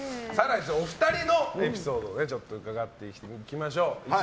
お二人のエピソードを伺っていきましょう。